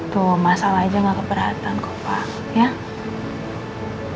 tuh masalah aja nggak keberatan kok pak